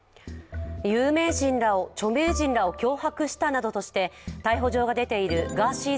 著名人らを脅迫したなどとして逮捕状が出ているガーシー